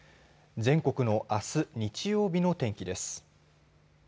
全国のあす日曜日の天気です。